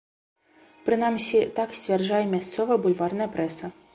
Прынамсі, так сцвярджае мясцовая бульварная прэса.